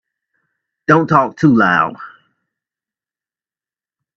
Don't talk too loud.